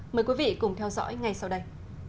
mời quý vị cùng theo dõi ngay sau đây